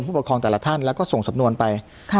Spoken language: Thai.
ผู้ปกครองแต่ละท่านแล้วก็ส่งสำนวนไป